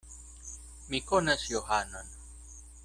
Mi konas Johanon.